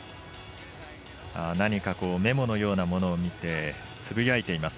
何かメモのようなものを見てつぶやいています。